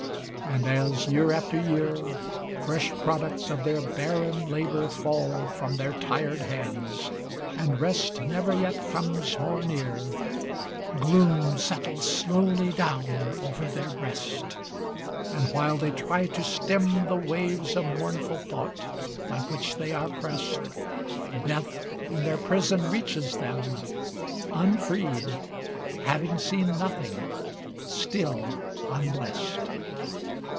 And as, year after year, Fresh products of their barren labor fall From their tired hands, and rest Never yet comes more near, Gloom settles slowly down over their breast. And while they try to stem The waves of mournful thought by which they are prest, Death in their prison reaches them, Unfreed, having seen nothing, still unblest.